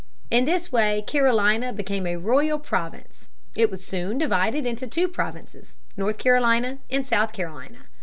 In this way Carolina became a royal province. It was soon divided into two provinces, North Carolina and South Carolina.